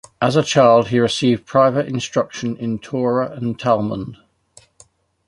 As a child he received private instruction in Torah and Talmud.